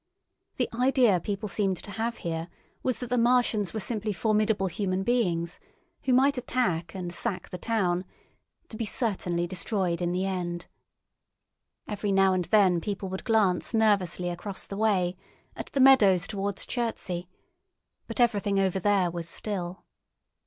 The idea people seemed to have here was that the Martians were simply formidable human beings, who might attack and sack the town, to be certainly destroyed in the end. Every now and then people would glance nervously across the Wey, at the meadows towards Chertsey, but everything over there was still.